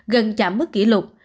gần chạm mức kỷ lục